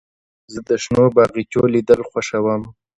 زه د شنو باغچو لیدل خوښوم.